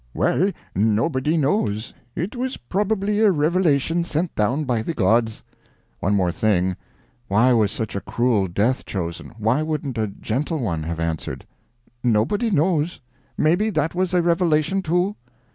"Well, nobody knows; it was probably a revelation sent down by the gods." One more thing: Why was such a cruel death chosen why wouldn't a gentle one have answered? "Nobody knows; maybe that was a revelation, too."